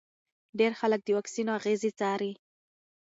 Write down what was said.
ډېر خلک د واکسین اغېزې څاري.